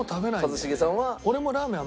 一茂さんは。